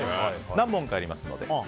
何問かありますので。